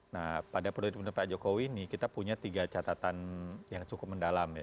nah pada periode pemerintah pak jokowi ini kita punya tiga catatan yang cukup mendalam ya